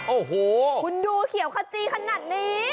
โอ้โหคุณดูเขียวขจีขนาดนี้